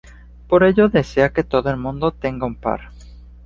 Por ello desea que todo el mundo tenga un par.